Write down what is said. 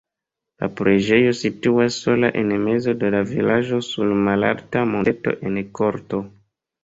La preĝejo situas sola en mezo de la vilaĝo sur malalta monteto en korto.